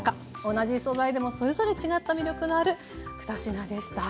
同じ素材でもそれぞれ違った魅力がある２品でした。